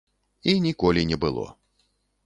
І ніколі не было.